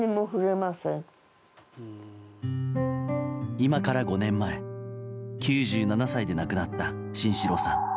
今から５年前９７歳で亡くなった慎四郎さん。